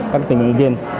các tình nguyện viên